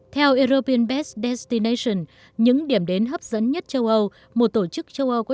theo european best destination những điểm đến hấp dẫn nhất châu âu một tổ chức châu âu có